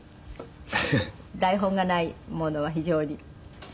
台本がないものは非常に。